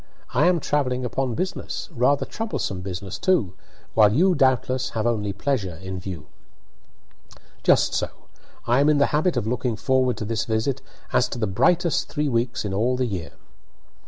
"I am travelling upon business, rather troublesome business too, while you, doubtless, have only pleasure in view." "Just so. I am in the habit of looking forward to this visit as to the brightest three weeks in all the year."